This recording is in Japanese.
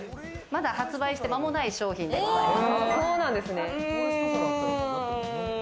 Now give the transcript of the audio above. まだ発売して間もない商品でございます。